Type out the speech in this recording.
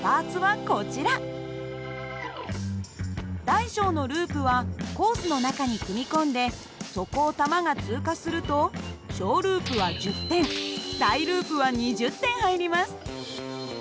大小のループはコースの中に組み込んでそこを玉が通過すると小ループは１０点大ループは２０点入ります。